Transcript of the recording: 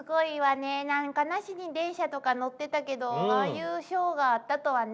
なんかなしに電車とか乗ってたけどああいう賞があったとはね。